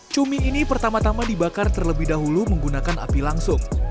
cumi ini pertama tama dibakar terlebih dahulu menggunakan api langsung